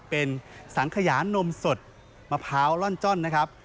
เป็นสังขยานมสดมะพร้าวร่อนจ้อนนะครับ